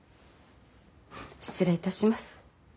失礼いたします。